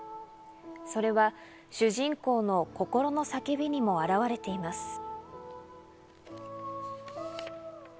それは主人公の心の叫びにも表れています。